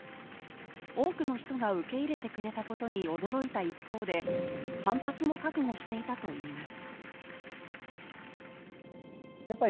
多くの人が受け入れてくれたことに驚いた一方で反発も覚悟していたといいます。